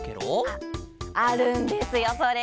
あっあるんですよそれが。